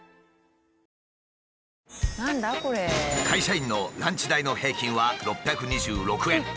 会社員のランチ代の平均は６２６円。